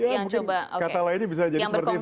mungkin kata lainnya bisa jadi seperti itu